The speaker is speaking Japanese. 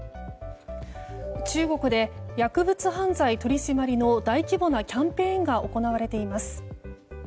中国で薬物犯罪取り締まりの大規模なキャンペーンが行われています。